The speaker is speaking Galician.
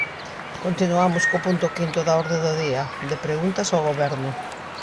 Continuamos co punto quinto da orde do día, de preguntas ao Goberno.